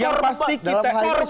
yang pasti kita harus